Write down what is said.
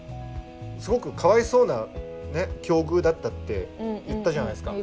すごくかわいそうな境遇だったって言ったじゃないですか。